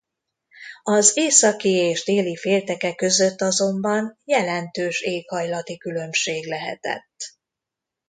Az északi és déli félteke között azonban jelentős éghajlati különbség lehetett.